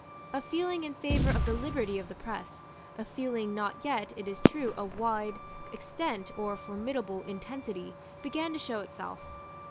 A feeling in favour of the liberty of the press, a feeling not yet, it is true, of wide extent or formidable intensity, began to show itself.